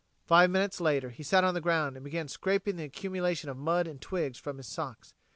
Five minutes later, he sat on the ground and began scraping the accumulation of mud and twigs from his socks.